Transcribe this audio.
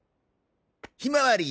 ひまわり！